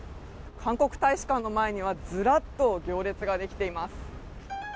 韓国大使館の前にはずらっと行列ができています。